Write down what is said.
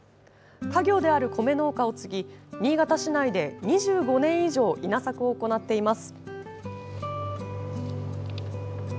家業である米農家を継ぎ新潟市内で２５年以上稲作を行っています。